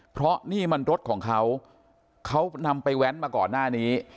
เพราะนี่มันรถของเขาเขานำไปแว้นมาก่อนหน้านี้